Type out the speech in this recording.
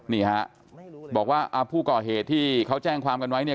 นี่ฮะบอกว่าผู้ก่อเหตุที่เขาแจ้งความกันไว้เนี่ย